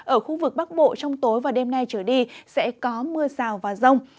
ở khu vực bắc bộ trong tối và đêm nay trở đi sẽ có mưa rào và rông